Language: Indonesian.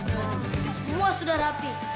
semua sudah rapi